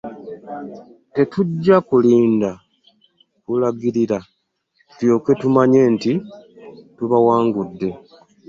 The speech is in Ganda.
tetujja kulinda kulangirira tulyoke tumanye nti tubawangudde.